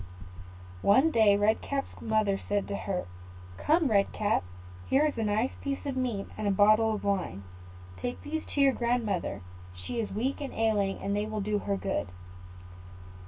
One day Red Cap's mother said to her, "Come, Red Cap, here is a nice piece of meat, and a bottle of wine: take these to your grandmother; she is weak and ailing, and they will do her good.